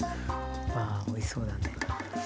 うわおいしそうだね。